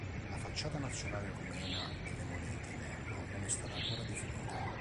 La facciata nazionale rumena delle monete in euro non è stata ancora definita.